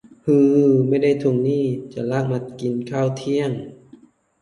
ฮือ ไม่ได้ทวงหนี้ จะลากมากินข้าวเที่ยง